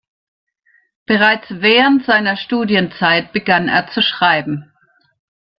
Bereits während seiner Studienzeit begann er zu schreiben.